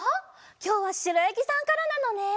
きょうはしろやぎさんからなのね！